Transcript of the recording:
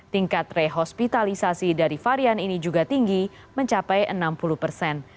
tingkat rehospitalisasi dari varian ini juga tinggi mencapai enam puluh persen